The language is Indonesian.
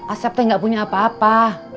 asep tidak punya apa apa